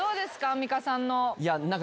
アンミカさんの。